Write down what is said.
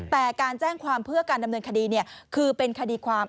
แต่การแจ้งความเพื่อการดำเนินคดีคือเป็นคดีความ